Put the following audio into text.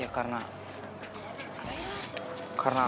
abah dan apa maksudnya